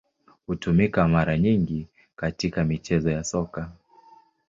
Hutumika mara nyingi katika michezo ya Soka.